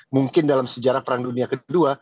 mungkin dalam sejarah perang dunia kedua